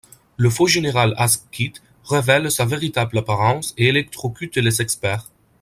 Le faux général Asquith révèle sa véritable apparence et électrocute les experts.